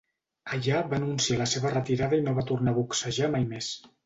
Allà va anunciar la seva retirada i no va tornar a boxejar mai més.